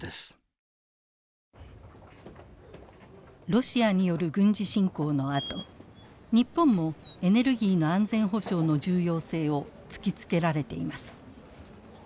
ロシアによる軍事侵攻のあと日本もエネルギーの安全保障の重要性を突きつけられています。